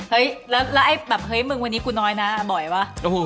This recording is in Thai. เฮ้ยแล้วไอ้แบบเฮ้ยมึงวันนี้กูน้อยนะบ่อยว่ะ